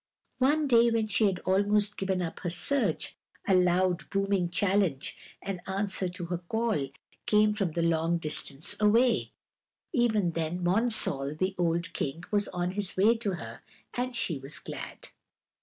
One day, when she had almost given up her search, a loud, booming challenge, an answer to her call, came from a long distance away. Even then Monsall, the old King, was on his way to her and she was glad.